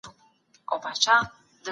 کابل په ډېره مینه د خپلو ميلمنو هرکلی کوي.